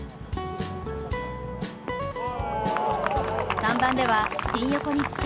３番ではピン横につけ